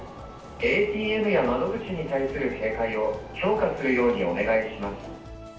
ＡＴＭや窓口に対する警戒を強化するようにお願いします。